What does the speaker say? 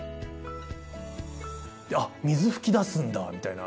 あっ水噴き出すんだみたいな。